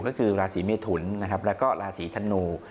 ก็คือราศีเมทุนนะครับแล้วก็ราศีธนู